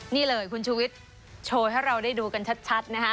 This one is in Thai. นี่เลยคุณชูวิทย์โชว์ให้เราได้ดูกันชัดนะฮะ